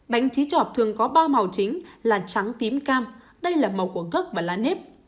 bánh chí trọt thường có ba màu chính là trắng tím cam đây là màu của gốc và lá nếp